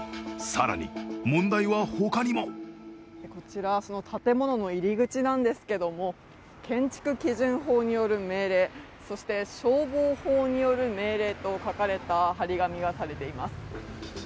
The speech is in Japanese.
更に、問題は他にもこちらその建物の入り口なんですけども建築基準法による、そして消防法による命令と書かれた張り紙がされています。